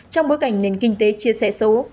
trong bối cảnh nền kinh tế chia sẻ số